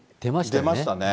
出ましたね。